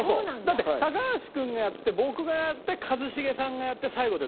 だって高橋君がやって僕がやって一茂さんがやって最後でみたいな。